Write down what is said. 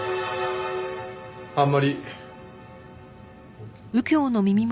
あんまり。